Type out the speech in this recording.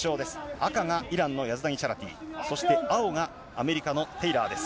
赤がヤズタニチャラティ、そして青がアメリカのテイラーです。